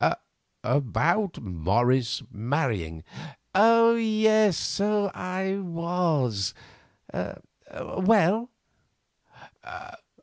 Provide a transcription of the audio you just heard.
"About Morris marrying?" "Oh, yes, so I was! Well?"